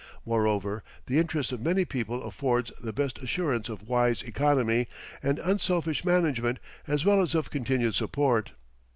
Moreover, the interest of many people affords the best assurance of wise economy and unselfish management as well as of continued support.